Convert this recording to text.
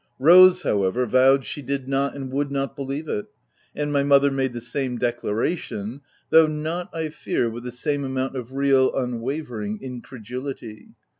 Rose, however, vowed she did not and would not believe it, and my mother made the same declaration, though not, I fear, with the same amount of real, unwavering incredulity.